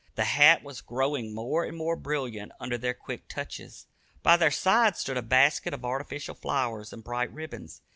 The hat was growing more and more brilliant under their quick touches. By their side stood a basket of artificial flowers and bright ribbons.